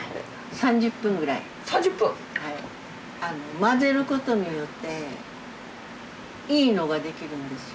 混ぜることによっていいのができるんですよ。